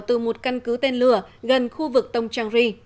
từ một căn cứ tên lửa gần khu vực tông trang ri